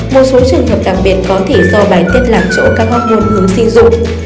một số trường hợp đặc biệt có thể do bài tiết làm chỗ các hormôn hướng sinh dụng